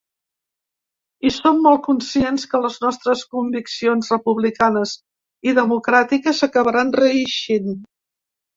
I som molt conscients que les nostres conviccions republicanes i democràtiques acabaran reeixint.